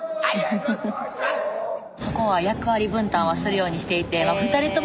そこは役割分担はするようにしていてまあ２人共